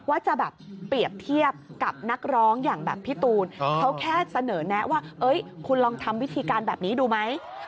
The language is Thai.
ว่าจะแบบเปรียบเทียบกับนักร้องอย่างแบบพี่ตูนเขาแค่เสนอแนะว่าคุณลองทำวิธีการแบบนี้ดูไหม